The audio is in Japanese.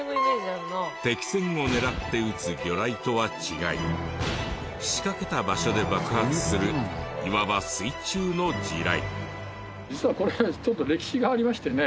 敵船を狙って撃つ魚雷とは違い仕掛けた場所で爆発するいわば水中の地雷。